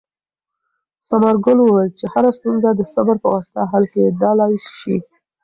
ثمرګل وویل چې هره ستونزه د صبر په واسطه حل کېدلای شي.